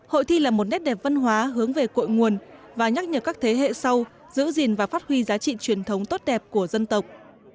hội thi là một nét đẹp văn hóa hướng về cội nguồn và nhắc nhở các thế hệ sau giữ gìn và phát huy giá trị truyền thống tốt đẹp của dân tộc